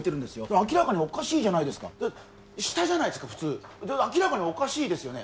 明らかにおかしいじゃないですか下じゃないですか普通明らかにおかしいですよね